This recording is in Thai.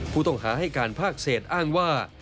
ผู้ต้องหาให้การภาคเศษอ้างว่า